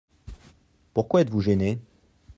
Pourquoi êtes-vous gêné ?